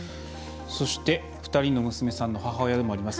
２人の娘さんの母親でもあります